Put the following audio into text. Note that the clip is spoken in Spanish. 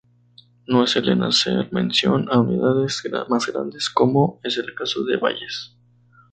No suelen hacer mención a unidades más grandes, como es el caso de valles.